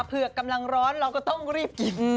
กำลังร้อนเราก็ต้องรีบกิน